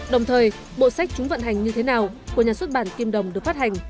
đồng thời bộ sách chúng vận hành như thế nào của nhà xuất bản kim đồng được phát hành